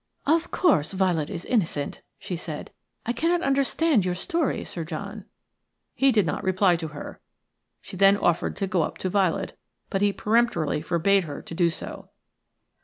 "Of course Violet is innocent," she said. "I cannot understand your story, Sir John." He did not reply to her. She then offered to go up to Violet; but he peremptorily forbade her to do so.